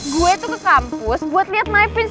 gue tuh ke kampus buat liat my prince